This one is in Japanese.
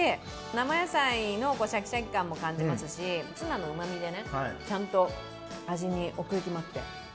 生野菜のシャキシャキ感も感じますし、ツナのうまみでちゃんと味に奥行きもあって。